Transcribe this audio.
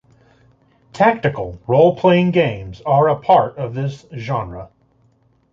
Tactical role-playing games are a part of this genre.